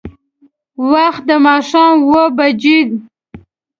وخت د ماښام اوبه بجې.